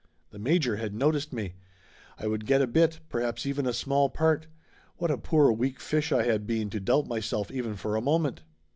The major had noticed me. I would get a bit, perhaps even a small part. What a poor weak fish I had been to doubt myself even for a moment